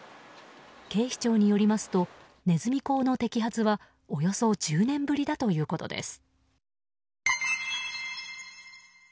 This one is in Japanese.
警視庁によりますとねずみ講の摘発はおよそ１０年ぶりだということです。